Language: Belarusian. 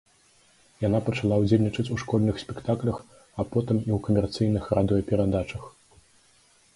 Яна пачала ўдзельнічаць у школьных спектаклях, а потым і ў камерцыйных радыёперадачах.